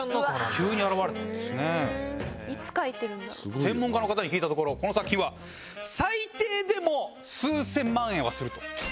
専門家の方に聞いたところこの作品は最低でも数千万円はすると。